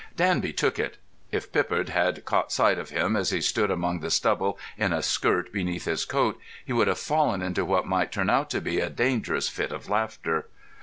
Danby took it. If Pippard had caught sight of him as he stood among the stubble in a skirt beneath his coat he would have fallen into what might turn out to be a dangerous fit of laughter.